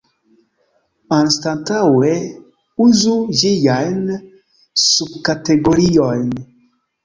Anstataŭe uzu ĝiajn subkategoriojn.